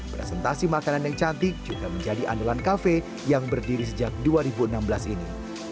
presentasi makanan yang cantik juga menjadi andalan kafe yang berdiri sejak dua ribu enam belas ini